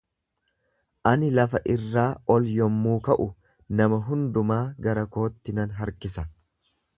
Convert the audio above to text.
Ani lafa irraa ol yommuu ka’u, nama hundumaa gara kootti nan harkisa.